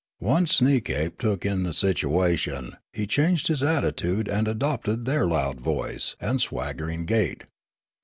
Once Sneekape took in the situation, he changed his attitude and adopted their loud voice and swaggering gait.